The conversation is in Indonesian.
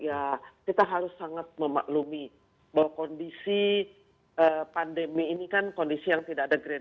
ya kita harus sangat memaklumi bahwa kondisi pandemi ini kan kondisi yang tidak ada grand